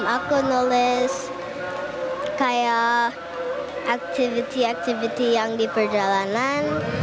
aku nulis kayak aktivitas yang di perjalanan